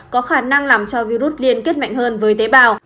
có khả năng làm cho virus liên kết mạnh hơn với tế bào